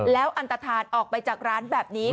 แล้วอันตฐานออกไปจากร้านแบบนี้